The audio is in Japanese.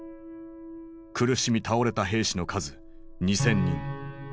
苦しみ倒れた兵士の数２，０００人。